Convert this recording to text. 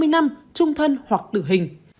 hai mươi năm trung thân hoặc tử hình